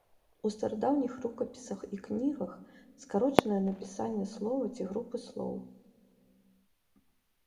У старадаўніх рукапісах і кнігах скарочанае напісанне слова ці групы слоў.